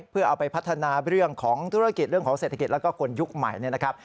เพื่อเอาไปพัฒนาเรื่องของธุรกิจเรื่องของเศรษฐกิจแล้วก็คนยุคใหม่เนี่ยนะครับ